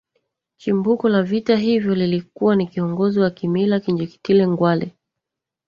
Chimbuko la vita hivyo lilikuwa ni kiongozi wa kimila Kinjeketile Ngwale